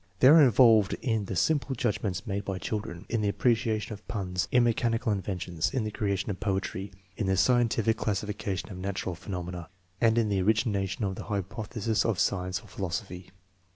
They are involved in the simple judgments made by children, hi the appreciation of puns, in mechanical inven tions, in the creation of poetry, in the scientific classifica tion of natural phenomena, and in the origination of the hypotheses of science or philosophy.